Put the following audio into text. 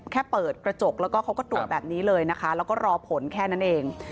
แค่เปิดกระจกแล้วก็เขาก็ตรวจแบบนี้เลยนะคะแล้วก็รอผลแค่นั้นเอง